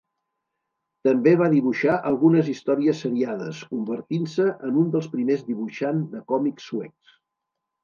També va dibuixar algunes històries seriades, convertint-se en un dels primers dibuixant de còmics suecs.